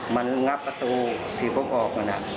มันงับประตูที่ผมออก